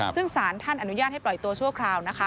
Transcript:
ซึ่งสารท่านอนุญาตให้ปล่อยตัวชั่วคราวนะคะ